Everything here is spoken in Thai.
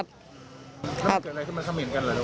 ใช่ครับ